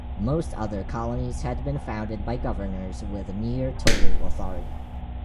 Most other colonies had been founded by Governors with near total authority.